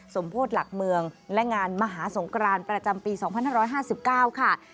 สมโพธิหลักเมืองและงานมหาสงกรานประจำปี๒๕๕๙ค่ะ